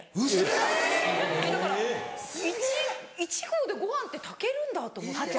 １合でご飯って炊けるんだと思って。